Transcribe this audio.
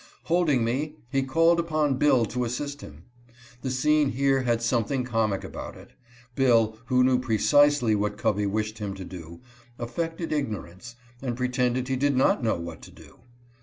Holding me, he called upon Bill to assist him. The scene here had something comic about it. Bill, who knew precisely what Covey wished him to do, affected ignorance, and pretended he did not know what to do.